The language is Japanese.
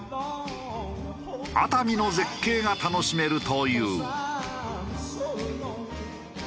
熱海の絶景が楽しめるという。